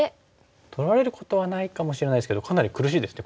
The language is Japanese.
取られることはないかもしれないですけどかなり苦しいですね。